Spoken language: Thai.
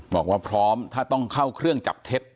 บอกว่าพร้อมถ้าต้องเข้าเครื่องจับเท็จ